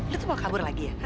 lo tuh mau kabur lagi ya